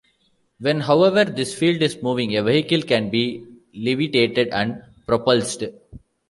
When however this field is moving, a vehicle can be levitated and propulsed.